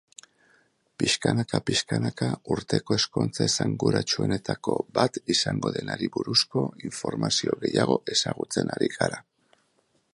Pixkanaka-pixkanaka urteko ezkontza esanguratsuenetako bat izango denari buruzko informazio gehiago ezagutzen ari gara.